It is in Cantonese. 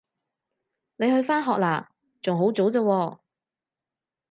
你去返學喇？仲好早咋喎